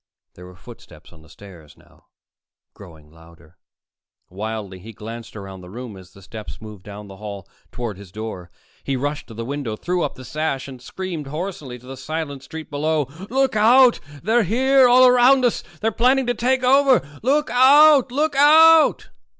There were footsteps on the stairs now, growing louder. Wildly he glanced around the room as the steps moved down the hall toward his door. He rushed to the window, threw up the sash and screamed hoarsely to the silent street below: "Look out! They're here, all around us! They're planning to take over! Look out! Look out!"